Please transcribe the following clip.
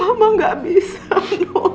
mama gak bisa nuh